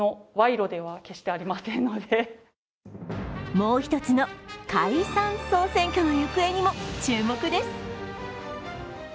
もう一つの海産総選挙の行方にも注目です。